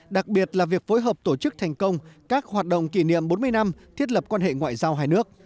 đặc biệt là việc phối hợp tổ chức thành công các hoạt động kỷ niệm bốn mươi năm thiết lập quan hệ ngoại giao hai nước